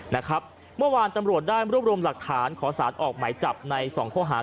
เมื่อวานตำรวจได้รวบรวมหลักฐานขอสารออกหมายจับในสองข้อหา